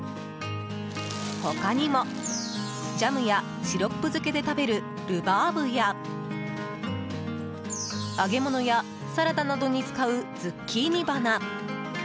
他にも、ジャムやシロップ漬けで食べるルバーブや揚げ物やサラダなどに使うズッキーニ花。